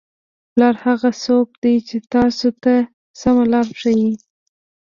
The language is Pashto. پلار هغه څوک دی چې تاسو ته سمه لاره ښایي.